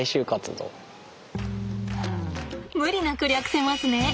無理なく略せますね。